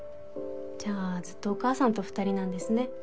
じゃあずっとお母さんと２人なんですね。